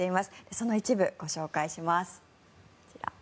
その一部、ご紹介します。